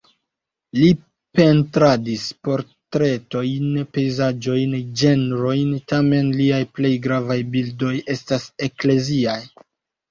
Li pentradis portretojn, pejzaĝojn, ĝenrojn, tamen liaj plej gravaj bildoj estas ekleziaj.